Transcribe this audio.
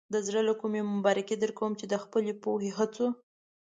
د زړۀ له کومې مبارکي درکوم چې د خپلې پوهې، هڅو.